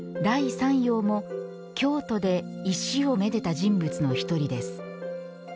山陽も京都で石を愛でた人物のひとりです。